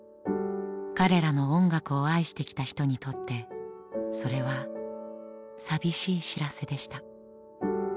彼らの音楽を愛してきた人にとってそれは寂しい知らせでした。